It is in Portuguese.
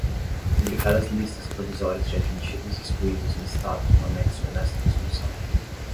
Publicar as listas provisórias de admitidos e excluídos listados no anexo ou nesta resolução.